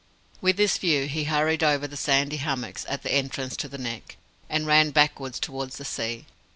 With this view, he hurried over the sandy hummocks at the entrance to the Neck, and ran backwards towards the sea.